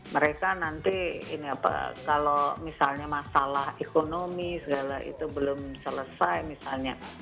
mereka nanti ini apa kalau misalnya masalah ekonomi segala itu belum selesai misalnya